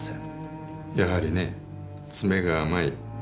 やはりね詰めが甘い。